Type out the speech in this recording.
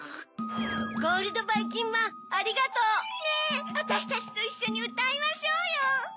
ゴールドばいきんまんありがとう。ねぇわたしたちといっしょにうたいましょうよ。